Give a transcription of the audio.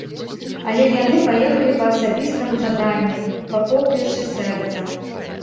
Але яны паехалі па асабістым жаданні, па поклічы сэрца.